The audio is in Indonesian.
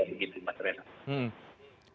begitu pak terenang